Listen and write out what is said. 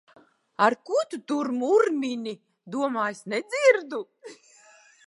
Ar ko tu tur murmini? Domā, es nedzirdu!